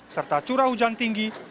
serta curah hujan tinggi